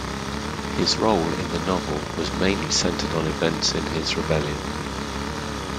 His role in the novel was mainly centered on the events in his rebellion.